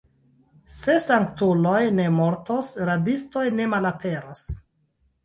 Se sanktuloj ne mortos, rabistoj ne malaperos.